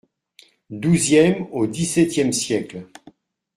Douzième au dix-septième siècles.